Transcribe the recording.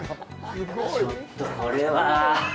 ちょっとこれは。